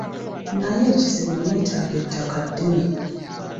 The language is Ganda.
Naye ekizibu nneetaaga ettaka ddene.